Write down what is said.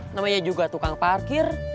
namanya juga tukang parkir